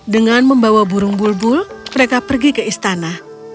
dengan membawa burung bulbul mereka pergi ke istana